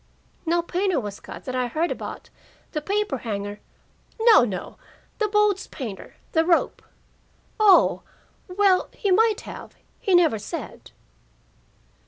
"No painter was cut that I heard about The paper hanger " "No, no. The boat's painter the rope." "Oh! Well, he might have. He never said."